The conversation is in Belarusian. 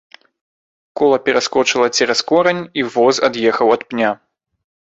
Кола пераскочыла цераз корань, і воз ад'ехаў ад пня.